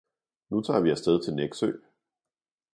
Nu tager vi afsted til Nexø